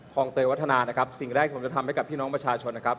งเตยวัฒนานะครับสิ่งแรกผมจะทำให้กับพี่น้องประชาชนนะครับ